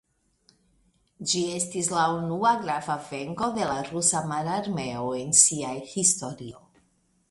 Ĝi estis la unua grava venko de la Rusa Mararmeo en sia historio.